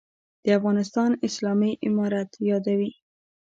«د افغانستان اسلامي امارت» یادوي.